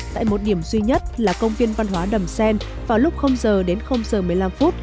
tại một điểm duy nhất là công viên văn hóa đầm xen vào lúc giờ đến giờ một mươi năm phút